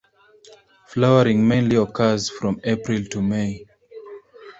Flowering mainly occurs from April to May.